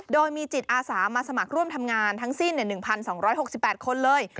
โดยมีจิตอาสามาสมัครร่วมทำงานทั้งสิ้น๑๒๖๘คนเลย